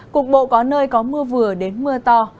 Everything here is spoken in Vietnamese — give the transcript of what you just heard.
cục bộ có nơi có mưa vừa đến mưa to